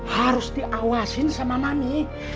harus diawasin sama mami